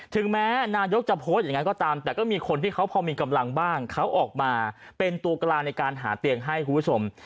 ถึงแม้นายกจะโพสต์อย่างนั้นก็ตามแต่ก็มีคนที่เขาพอมีกำลังบ้างเขาออกมาเป็นตัวกลางในการหาเตียงให้คุณผู้ชม